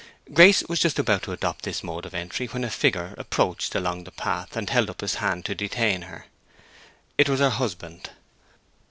Grace was just about to adopt this mode of entry when a figure approached along the path, and held up his hand to detain her. It was her husband.